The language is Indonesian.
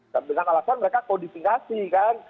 tapi dengan alasan mereka kodifikasi kan